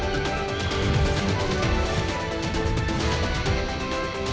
kepala komoditi lantai